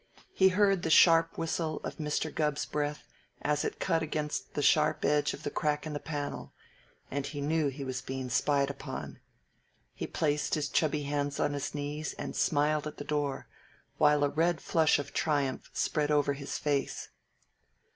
He heard the sharp whistle of Mr. Gubb's breath as it cut against the sharp edge of the crack in the panel, and he knew he was being spied upon. He placed his chubby hands on his knees and smiled at the door, while a red flush of triumph spread over his face.